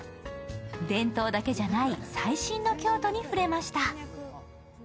伝統だけじゃない、最新の京都に触れました。